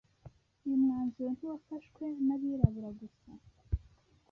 Uyu mwanzuro ntiwafashwe n’abirabura gusa